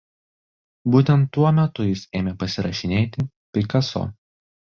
Būtent tuo metu jis ėmė pasirašinėti "Picasso".